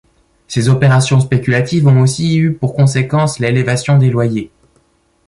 Ces opérations spéculatives ont aussi eu pour conséquence l'élévation des loyers.